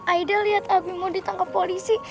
aida liat abik mau ditangkap polisi